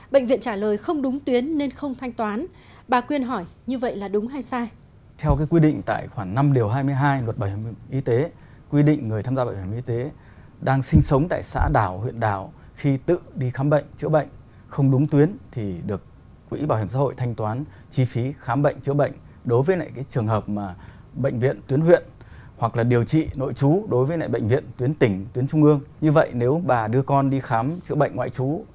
bệnh viện trả lời không đúng tuyến nên không thanh toán bà quyên hỏi như vậy là đúng hay sai